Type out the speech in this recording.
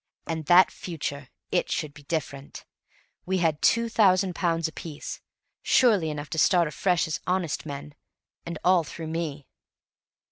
And that future, it should be different. We had two thousand pounds apiece surely enough to start afresh as honest men and all through me!